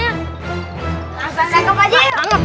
langsung tangkap aja yuk